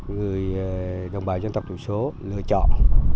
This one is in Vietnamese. người đồng bào dân tộc chủ số lựa chọn